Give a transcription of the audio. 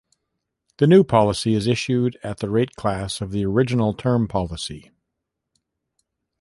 The new policy is issued at the rate class of the original term policy.